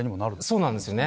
そうなんですよね。